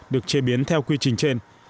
được chế biến theo quy trình trên